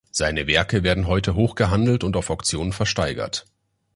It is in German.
Seine Werke werden heute hoch gehandelt und auf Auktionen versteigert.